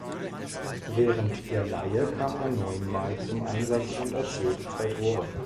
Während der Leihe kam er neunmal zum Einsatz und erzielte zwei Tore.